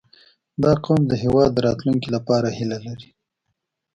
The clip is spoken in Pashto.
• دا قوم د هېواد د راتلونکي لپاره هیله لري.